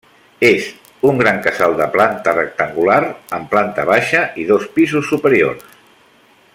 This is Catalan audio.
És un gran casal de planta rectangular amb planta baixa i sos pisos superiors.